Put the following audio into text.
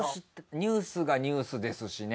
ニュースがニュースですしね。